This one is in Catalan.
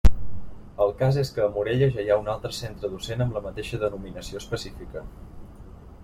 El cas és que a Morella ja hi ha un altre centre docent amb la mateixa denominació específica.